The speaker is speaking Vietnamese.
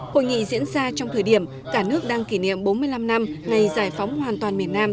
hội nghị diễn ra trong thời điểm cả nước đang kỷ niệm bốn mươi năm năm ngày giải phóng hoàn toàn miền nam